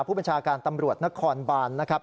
ผู้บัญชาการตำรวจนครบานนะครับ